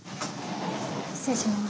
失礼します。